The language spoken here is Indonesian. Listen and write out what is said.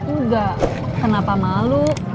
enggak kenapa malu